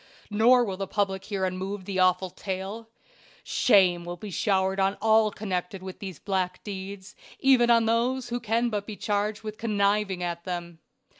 Nor will the public hear unmoved the awful tale. Shame will be showered on all connected with these black deeds, even on those who can but be charged with conniving at them.